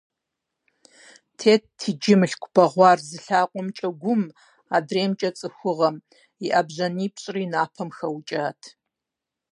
Тетт иджы Мылъку бэгъуар зы лъакъуэкӀэ Гум, адреймкӀэ - ЦӀыхугъэм, и ӀэбжьанипщӀри Напэм хэукӀат.